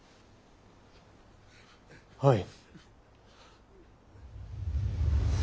はい。